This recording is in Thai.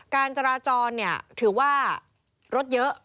การจราจรถือว่ารถเยอะ